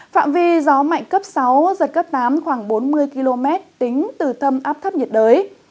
phạm vi gió mạnh cấp sáu giật cấp tám khoảng bốn mươi km tính từ tâm áp thấp nhiệt đới